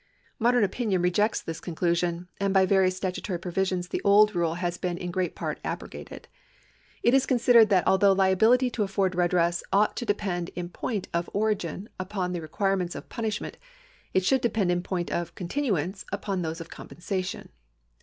Modern opinion rejects this conclusion, and by various statutory provisions the old rule has been in great part abrogated. It is considered that although liability to afford redress ought to depend in point of origin upon the require ments of punishment, it should' depend in point of con tinuance upon those of compensation.